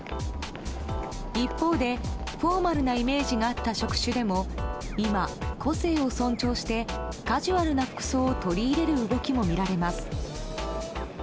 一方で、フォーマルなイメージがあった職種でも今、個性を尊重してカジュアルな服装を取り入れる動きもみられます。